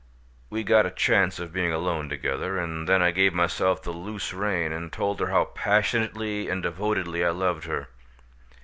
We got a chance of being alone together, and then I gave myself the loose rein, and told her how passionately and devotedly I loved her.